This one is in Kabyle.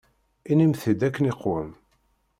Inim-t-id akken iqwem.